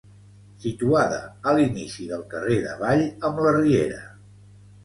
Situada a l'inici del carrer d'Avall amb la Riera.